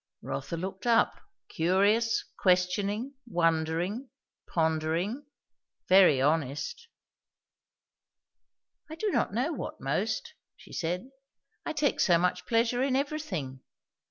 Rotha looked up, curious, questioning, wondering, pondering, very honest. "I do not know what most," she said. "I take so much pleasure in everything.